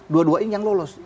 dua duanya yang lolos